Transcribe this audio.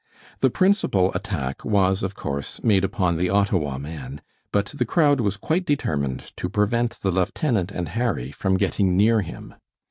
The principal attack was, of course, made upon the Ottawa man, but the crowd was quite determined to prevent the lieutenant and Harry from getting near him.